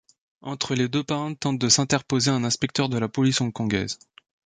Entre les deux parrains tente de s'interposer un inspecteur de la police hongkongaise...